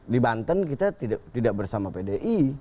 di banten kita tidak bersama pdi